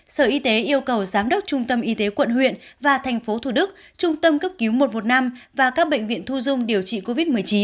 sở y tế yêu cầu giám đốc trung tâm y tế quận huyện và thành phố thủ đức trung tâm cấp cứu một trăm một mươi năm và các bệnh viện thu dung điều trị covid một mươi chín